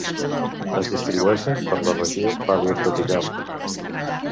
Es distribueixen per la regió paleotropical: